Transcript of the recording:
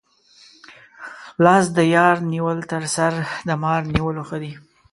لاس د یار نیول تر سر د مار نیولو ښه دي.